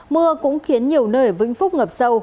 mưa cũng khiến nhiều nơi vĩnh phúc ngập sâu